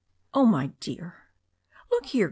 "Oh, my dear." "Look here.